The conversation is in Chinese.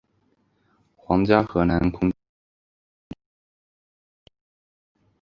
皇家荷兰空军现在是独立的军种。